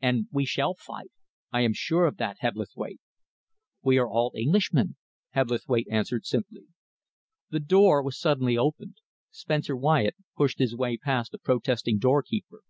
And we shall fight I am sure of that, Hebblethwaite." "We are all Englishmen," Hebblethwaite answered simply. The door was suddenly opened. Spencer Wyatt pushed his way past a protesting doorkeeper.